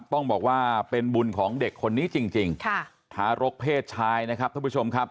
ต้องบอกว่าเป็นบุญของเด็กคนนี้จริงค่ะทารกเพศชายนะครับท่านผู้ชมครับ